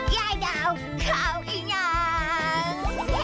ยายดาวข่าวอีนาง